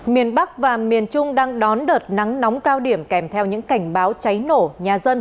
miền bắc và miền trung đang đón đợt nắng nóng cao điểm kèm theo những cảnh báo cháy nổ nhà dân